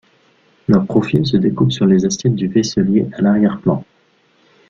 Leur profil se découpe sur les assiettes du vaisselier à l’arrière plan.